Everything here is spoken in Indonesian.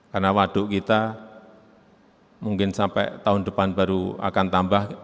karena waduk kita mungkin sampai tahun depan baru akan tambah